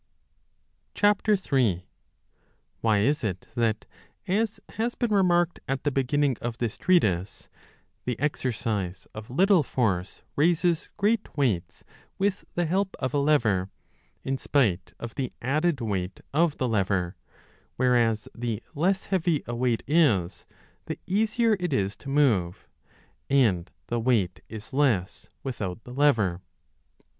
3 WHY is it that, as has been remarked at the beginning 30 of this treatise, 3 the exercise of little force raises great weights with the help of a lever, in spite of the added weight of the lever ; whereas the less heavy a weight is, the easier it is to move, and the weight is less without the lever